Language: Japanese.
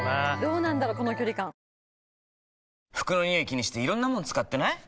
気にしていろんなもの使ってない？